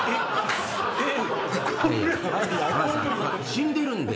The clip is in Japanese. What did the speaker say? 死んでるんで。